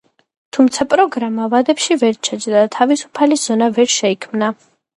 თუმცა, პროგრამა ვადებში ვერ ჩაჯდა და თავისუფალი ზონა ვერ შეიქმნა.